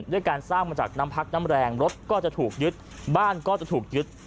ด้วยการสร้างมาจากน้ำพักน้ำแรงรถก็จะถูกยึดบ้านก็จะถูกยึด